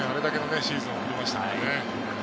去年、あれだけのシーズンがありましたからね。